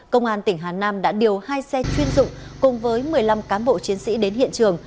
công an tỉnh hà nam đã điều hai xe chuyên dụng cùng với một mươi năm cán bộ chiến sĩ đến hiện trường